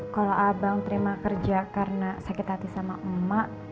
kalau abang terima kerja karena sakit hati sama emak